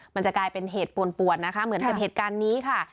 มันจะกลายเป็นเหตุปวนนะคะเหมือนกับเหตุการณ์นี้ค่ะ